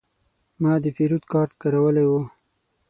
ما د پیرود کارت کارولی و.